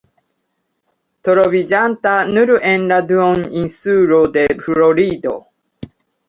Troviĝanta nur en la duoninsulo de Florido.